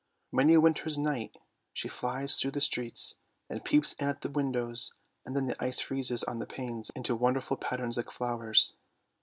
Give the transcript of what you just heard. Many a winter's night she flies through the streets and peeps in at the windows, and then the ice freezes on the panes into wonderful patterns like flowers."